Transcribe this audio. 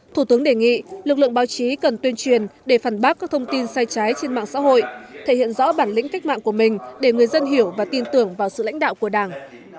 thủ tướng đề nghị lực lượng báo chí cần tuyên truyền để phản bác các thông tin sai trái trên mạng xã hội thể hiện rõ bản lĩnh cách mạng của mình để người dân hiểu và tin tưởng vào sự lãnh đạo của đảng